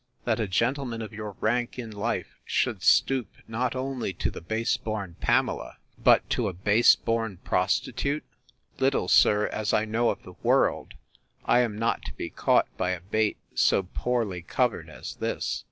That a gentleman of your rank in life should stoop, not only to the base born Pamela, but to a base born prostitute?—Little, sir, as I know of the world, I am not to be caught by a bait so poorly covered as this!